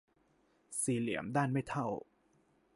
สี่เหลี่ยมด้านไม่เท่า